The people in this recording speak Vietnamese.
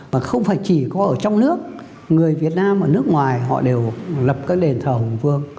và không phải chỉ có ở trong nước người việt nam ở nước ngoài họ đều lập các đền thờ hùng vương